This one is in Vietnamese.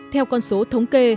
theo con số thống kê